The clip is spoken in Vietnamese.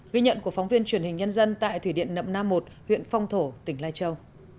ghi nhận của phóng viên truyền hình nhân dân tại thủy điện nậm nam một huyện phong thổ tỉnh lai châu